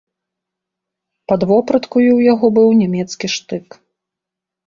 Пад вопраткаю ў яго быў нямецкі штык.